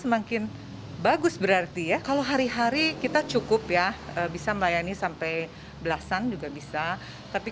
semakin bagus berarti ya kalau hari hari kita cukup ya bisa melayani sampai belasan juga bisa tapi